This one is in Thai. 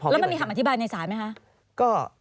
แล้วมันมีคำอธิบายในศาลไหมคะ